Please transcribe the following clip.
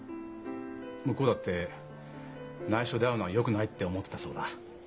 向こうだってないしょで会うのはよくないって思ってたそうだ。